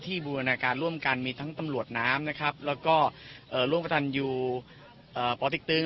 ที่บูรณาการร่วมกันมีทั้งตำรวจน้ำแล้วก็ร่วมกันอยู่ปติ๊กตึง